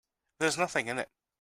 There's nothing in it.